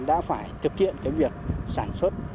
đã phải thực hiện việc sản xuất